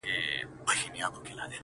o ترخه وخوره، خو ترخه مه وايه!